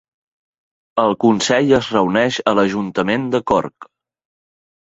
El consell es reuneix a l'ajuntament de Cork.